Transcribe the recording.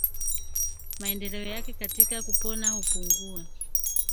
Maendeleo yake katika kupona hupungua